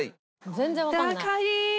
全然わかんない。